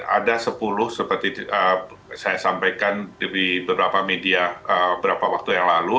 ada sepuluh seperti saya sampaikan di beberapa media beberapa waktu yang lalu